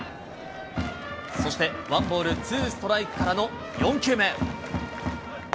そしてワンボールツーストライクからの４球目。